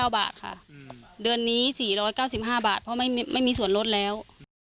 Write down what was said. ๙บาทค่ะเดือนนี้๔๙๕บาทเพราะไม่มีส่วนลดแล้ว